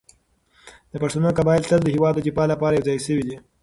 د پښتنو قبایل تل د هېواد د دفاع لپاره يو ځای شوي دي.